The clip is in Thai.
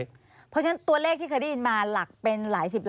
เพราะฉะนั้นตัวเลขที่เคยได้ยินมาหลักเป็นหลายสิบล้าน